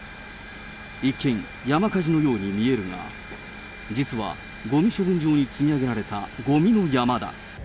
一見、山火事のように見えるが、実はごみ処理場に積み上げられたごみの山だ。